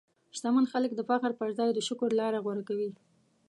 شتمن خلک د فخر پر ځای د شکر لاره غوره کوي.